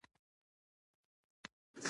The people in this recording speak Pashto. مېلې د امید، خوښۍ، او کلتوري ویاړ پیغام رسوي.